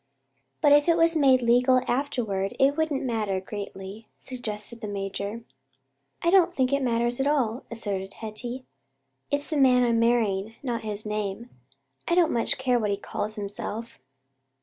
"But if it was made legal afterward it wouldn't matter greatly," suggested the major. "I do not think it matters at all," asserted Hetty. "It's the man I'm marrying, not his name. I don't much care what he calls himself."